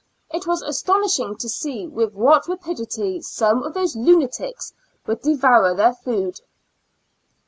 It was astonishing to see with what rapidity some of those lunatics would devour their food.